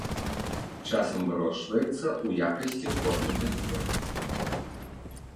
Часам вырошчваецца ў якасці корму для коней.